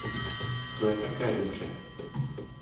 To je také dobře.